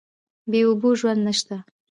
بې اوبو ژوند نشته.